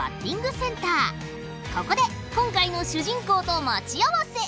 ここで今回の主人公と待ち合わせ。